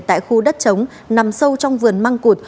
tại khu đất chống nằm sâu trong vườn măng cụt